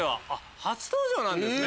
初登場なんですね。